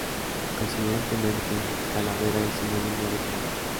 Coincidentemente, calavera es sinónimo de cráneo.